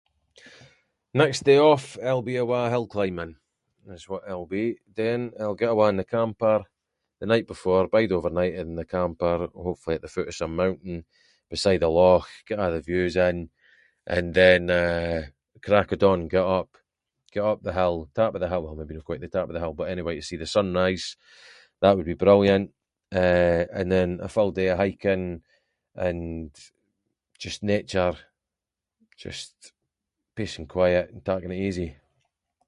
Next day off, I’ll be awa’ hill climbing, is what I’ll be doing , I’ll get awa’ in the camper the night before, bide overnight in the camper, hopefully at the foot of some mountain, beside a loch, get a’ the views in, and then eh, crack of dawn get up, get up the hill, top of the hill, or maybe no quite the top of the hill, but anyway, to see the sun rise, that would be brilliant, eh, and then a full day of hiking, and just nature, just peace and quiet and taking it easy.